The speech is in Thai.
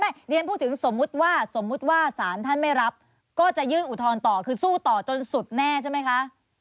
เรียนพูดถึงสมมุติว่าสมมุติว่าสารท่านไม่รับก็จะยื่นอุทธรณ์ต่อคือสู้ต่อจนสุดแน่ใช่ไหมคะ